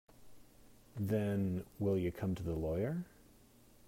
Then, will you come to the lawyer?